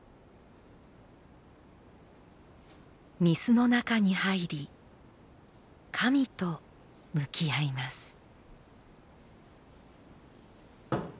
御簾の中に入り神と向き合います。